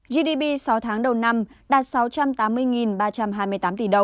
gdp sáu tháng đầu năm đạt sáu trăm tám mươi ba trăm hai mươi tám